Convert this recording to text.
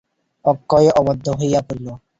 অক্ষয় আবদ্ধ হইয়া পড়িল।